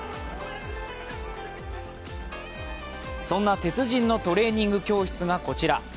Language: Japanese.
そんな鉄人のトレーニング教室がこちら。